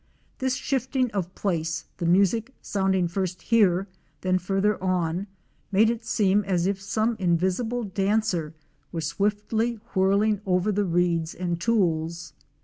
This shifting of place, the music sounding first here, then farther on, made it seem as if some invisible dancer were swiftly whirling over the reeds and tules.